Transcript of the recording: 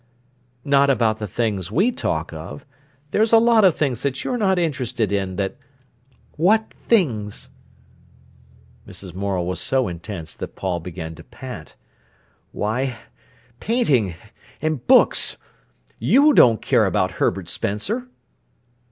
"Not about the things we talk of. There's a lot of things that you're not interested in, that—" "What things?" Mrs. Morel was so intense that Paul began to pant. "Why—painting—and books. You don't care about Herbert Spencer."